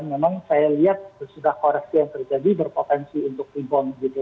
memang saya lihat sudah koreksi yang terjadi berpotensi untuk rebound gitu ya